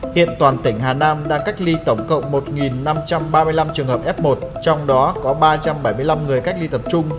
hiện toàn tỉnh hà nam đang cách ly tổng cộng một năm trăm ba mươi năm trường hợp f một trong đó có ba trăm bảy mươi năm người cách ly tập trung